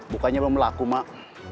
bukannya mau melaku mak